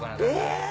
え！